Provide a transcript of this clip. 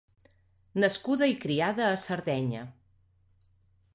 Nascuda i criada a Sardenya.